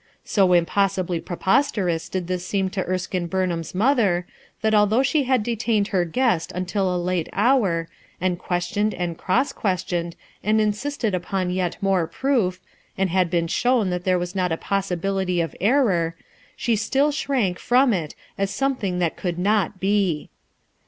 So impossibly preposterous did this seem to Er skine Burnham's mother, that although she had detained her guest until a late hour, and BUILT OX THE SAND m questioned and cross questioned, and feared upon yet more proof, and been shown that there was not a possibility of error, she still shrank from it as something that could not be.